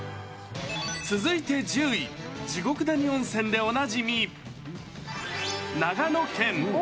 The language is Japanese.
続いて１０位、地獄谷温泉でおなじみ、長野県。